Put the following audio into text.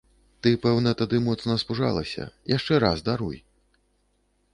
Ты, пэўна, тады моцна спужалася, яшчэ раз даруй!